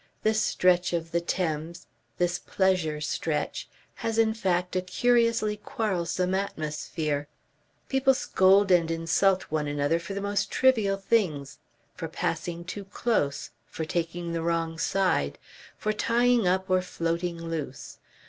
This stretch of the Thames, this pleasure stretch, has in fact a curiously quarrelsome atmosphere. People scold and insult one another for the most trivial things, for passing too close, for taking the wrong side, for tying up or floating loose.